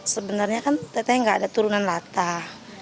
sebenarnya kan tadi tadi nggak ada turunan latah